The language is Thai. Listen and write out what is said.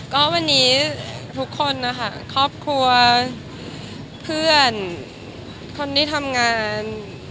ก็วันนี้ทุกคนนะคะครอบครัวเพื่อนคนที่ทำงาน